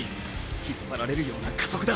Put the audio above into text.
引っぱられるような加速だ！！